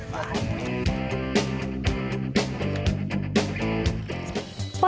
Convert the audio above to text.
sampai dong selamat datang di afrika panjapan